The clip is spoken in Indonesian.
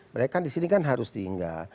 mereka di sini kan harus tinggal